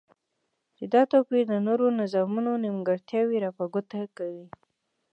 چی دا توپیر د نورو نظامونو نیمګرتیاوی را په ګوته کوی